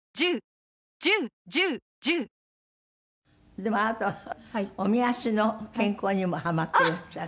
でもあなたはおみ足の健康にもハマっていらっしゃる。